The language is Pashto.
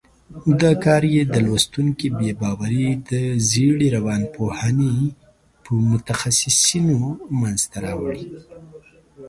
دا کار یې د لوستونکي بې باوري د زېړې روانپوهنې په متخصیصینو منځته راوړي.